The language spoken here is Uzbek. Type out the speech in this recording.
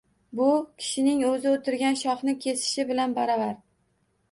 Bu, kishining o‘zi o‘tirgan shoxni kesishi bilan baravar.